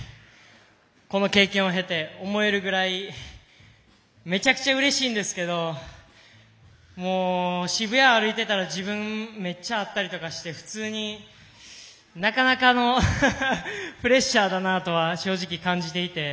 この経験を経て、思えるぐらいめちゃくちゃうれしいんですけどもう、渋谷を歩いていたら自分、めっちゃ会ったりして普通になかなかプレッシャーだなとは正直、感じていて。